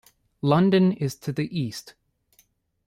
London is to the east.